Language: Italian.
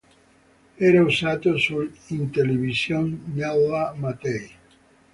Era usato sull'Intellivision della Mattel.